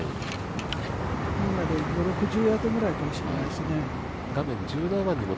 ピンまで５０６０ヤードぐらいかもしれませんね。